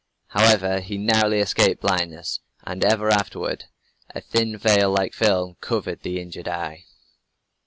However, he narrowly escaped blindness, and ever afterward a thin veil like film covered the injured eye.